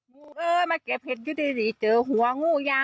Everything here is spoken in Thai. งูเอ้ยมาเก็บเห็ดอยู่ดีเจอหัวงูยา